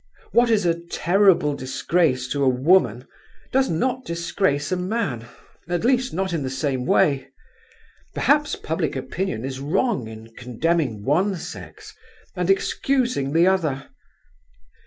What is a terrible disgrace to a woman, does not disgrace a man, at least not in the same way. Perhaps public opinion is wrong in condemning one sex, and excusing the other.